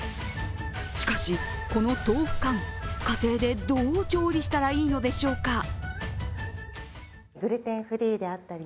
しかし、この豆腐干家庭でどう調理したらいいのでしょうか。